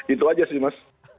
itu saja sih mas